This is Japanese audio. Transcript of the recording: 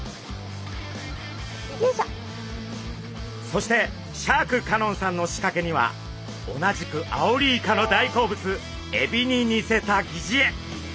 そしてシャーク香音さんのしかけには同じくアオリイカの大好物エビに似せた擬似餌。